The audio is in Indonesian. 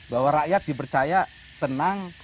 bahwa rakyat dipercaya tenang